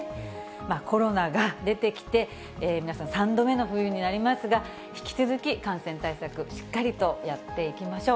コロナが出てきて、皆さん、３度目の冬になりますが、引き続き感染対策しっかりとやっていきましょう。